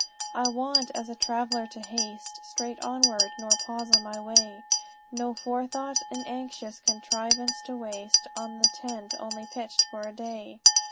"'I want as a trav'ller to haste Straight onward, nor pause on my way; Nor forethought in anxious contrivance to waste On the tent only pitched for a day.